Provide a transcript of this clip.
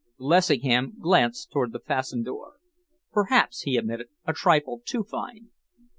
Lessingham glanced towards the fastened door. "Perhaps," he admitted, "a trifle too fine."